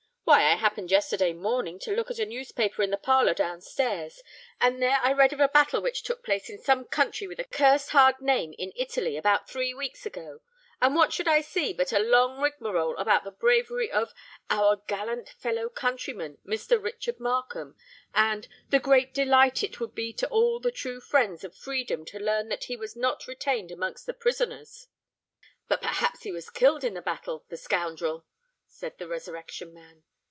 "Why, I happened yesterday morning to look at a newspaper in the parlour down stairs, and there I read of a battle which took place in some country with a cursed hard name in Italy, about three weeks ago; and what should I see but a long rigmarole about the bravery of 'our gallant fellow countryman, Mr. Richard Markham,' and '_the great delight it would be to all the true friends of freedom to learn that he was not retained amongst the prisoners'_." "But perhaps he was killed in the battle, the scoundrel?" said the Resurrection Man.